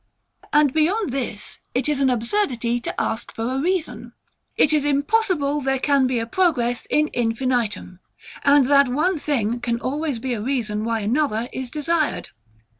And beyond this it is an absurdity to ask for a reason. It is impossible there can be a progress IN INFINITUM; and that one thing can always be a reason why another is desired.